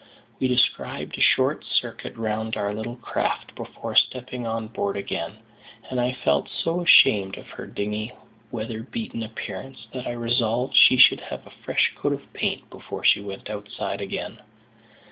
We described a short circuit round our little craft before stepping on board again; and I felt so ashamed of her dingy, weather beaten appearance, that I resolved she should have a fresh coat of paint before she went outside again.